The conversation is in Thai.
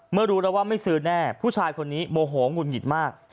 รู้แล้วว่าไม่ซื้อแน่ผู้ชายคนนี้โมโหหงุดหงิดมาก